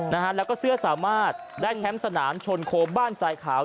นะฮะแล้วก็เสื้อสามารถได้แคมป์สนามชนโคบ้านทรายขาว